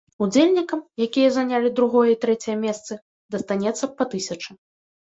Удзельнікам, якія занялі другое і трэцяе месцы, дастанецца па тысячы.